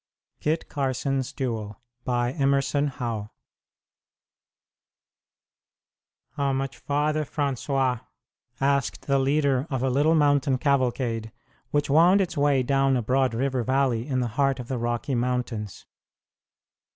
KIT CARSON'S DUEL By Emerson Hough "How much farther, François?" asked the leader of a little mountain cavalcade which wound its way down a broad river valley in the heart of the Rocky Mountains.